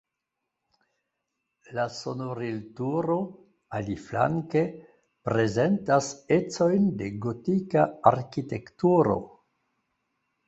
La sonorilturo, aliflanke, prezentas ecojn de gotika arkitekturo.